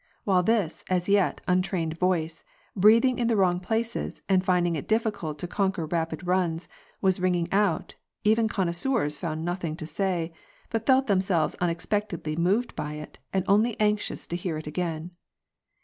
While this, as yet, untrained voice, breathing in the wrong places, and finding it difficult to con quer rapid runs, was ringing out, even connoisseurs found noth ing to say, but felt themselves unexpectedly moved by it, and only anxious to hear it again.